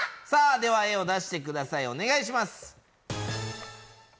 では、絵を出してください、お願いします。